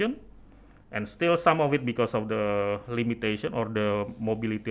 dan masih ada yang terjadi karena kebatasan atau restriksi mobilitas